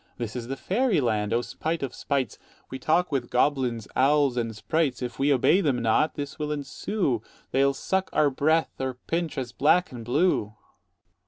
This is the fairy land; O spite of spites! We talk with goblins, owls, and sprites: If we obey them not, this will ensue, 190 They'll suck our breath, or pinch us black and blue.